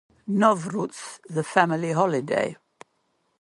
Novruz is a family holiday.